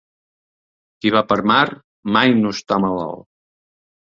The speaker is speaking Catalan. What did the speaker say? Qui va per mar mai no està malalt.